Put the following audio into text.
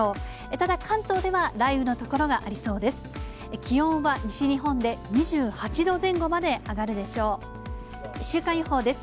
ただ、関東では雷雨の所がありそうです。